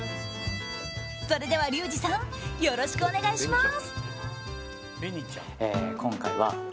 それではリュウジさんよろしくお願いします！